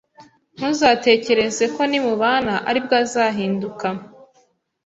ntuzatekereze ko nimubana aribwo azahinduka.